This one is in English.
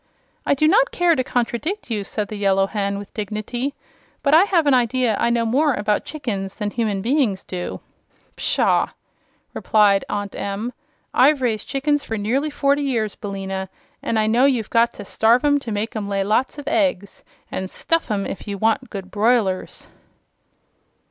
"I do not care to contradict you," said the Yellow Hen, with dignity, "but I have an idea I know more about chickens than human beings do." "Pshaw!" replied Aunt Em. "I've raised chickens for nearly forty years, Billina, and I know you've got to starve 'em to make 'em lay lots of eggs, and stuff 'em if you want good broilers."